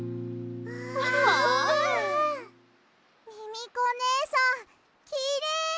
ミミコねえさんきれい！